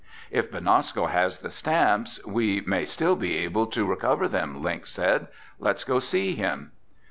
"If Benasco has the stamps, we may still be able to recover them," Link said. "Let's go see him."